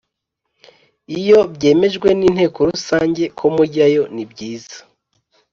Iyo byemejwe n Inteko Rusange ko mujyayo nibyiza